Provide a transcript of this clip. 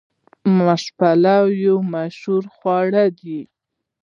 ماش پلو یو مشهور خواړه دي.